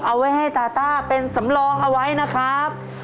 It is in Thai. เอาไว้ให้ตาต้าเป็นสำรองเอาไว้นะครับ